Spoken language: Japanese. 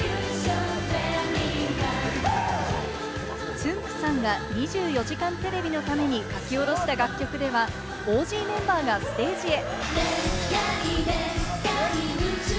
つんく♂さんが『２４時間テレビ』のために書き下ろした楽曲ではＯＧメンバーがステージへ。